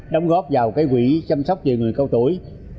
đóng góp vào quỹ chăm sóc về người cao tuổi